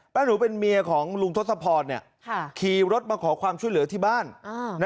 หนูเป็นเมียของลุงทศพรขี่รถมาขอความช่วยเหลือที่บ้าน